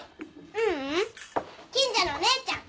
ううん近所のお姉ちゃん。